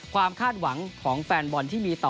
คาดหวังของแฟนบอลที่มีต่อ